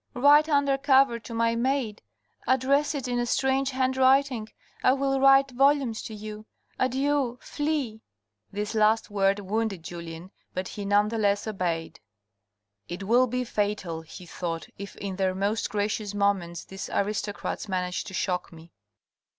Write under cover to my maid. Address it in a strange hand writing, I will write volumes to you. Adieu, flee." This last word wounded Julien, but he none the less obeyed. " It will be fatal," he thought " if, in their most gracious moments these aristocrats manage to shock me."